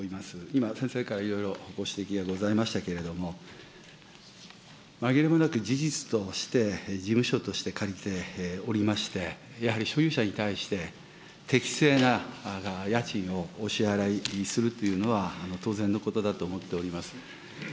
今、先生からいろいろご指摘がございましたけれども、まぎれもなく事実として、事務所として借りておりまして、やはり所有者に対して適正な家賃をお支払いするというのは当然のことだと思っております。